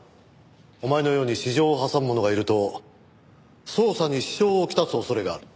お前のように私情を挟む者がいると捜査に支障をきたす恐れがある。